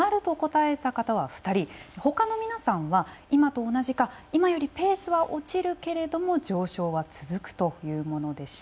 ほかの皆さんは今と同じか今よりペースは落ちるけれども上昇は続くというものでした。